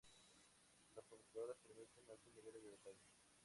Las computadoras permiten altos niveles de detalle.